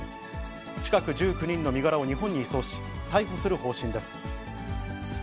近く、１９人の身柄を日本に移送し、逮捕する方針です。